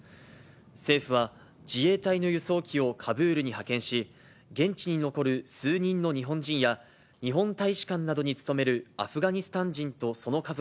政府は、自衛隊の輸送機をカブールに派遣し、現地に残る数人の日本人や、日本大使館などに勤めるアフガニスタン人とその家族